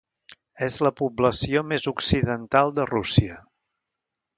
És la població més occidental de Rússia.